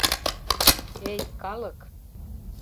— Эй, калык!